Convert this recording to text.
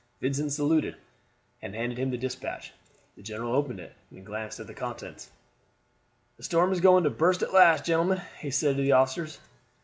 Vincent saluted, and handed him the despatch. The general opened it and glanced at the contents. "The storm is going to burst at last, gentlemen," he said to the officers.